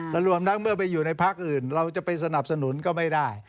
และรวมทั้งเมื่อไปอยู่ในพักอื่นเราจะไปสนับสนุนก็ไม่ได้